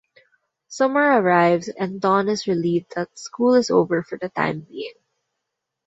Summer arrives and Dawn is relieved that school is over for the time-being.